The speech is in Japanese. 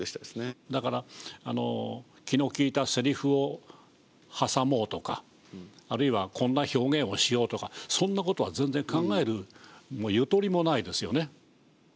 だから気の利いたせりふを挟もうとかあるいはこんな表現をしようとかそんなことは全然考えるゆとりもないですよね。